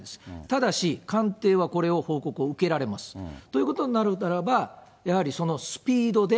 ただし、官邸はこれを報告を受けられます。ということになるならば、やはりそのスピードで、